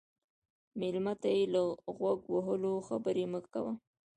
مېلمه ته بې له غوږ وهلو خبرې مه کوه.